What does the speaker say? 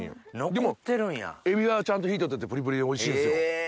でもエビはちゃんと火通っててプリプリでおいしいですよ。